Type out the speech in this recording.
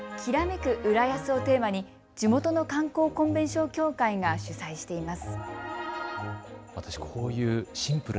駅前のイルミネーション、きらめく・うらやすをテーマに地元の観光コンベンション協会が主催しています。